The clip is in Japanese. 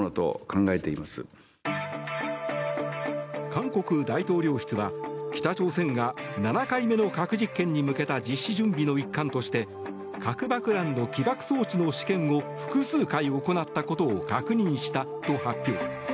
韓国大統領室は、北朝鮮が７回目の核実験に向けた実施準備の一環として核爆弾の起爆装置の試験を複数回行ったことを確認したと発表。